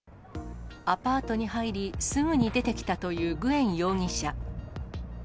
アパートに入り、すぐに出てきたというグエン容疑者。